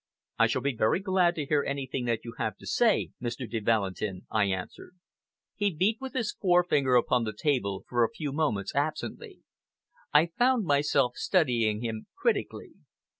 "I shall be very glad to hear anything that you have to say, Mr. de Valentin," I answered. He beat with his forefinger upon the table for a few moments absently. I found myself studying him critically.